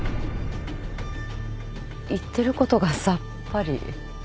言ってることがさっぱり。